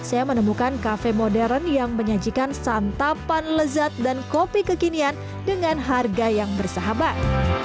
saya menemukan kafe modern yang menyajikan santapan lezat dan kopi kekinian dengan harga yang bersahabat